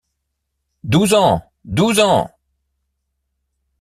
Douze ans ! douze ans !